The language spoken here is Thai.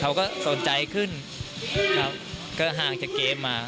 เขาก็สนใจขึ้นครับก็ห่างจากเกมมา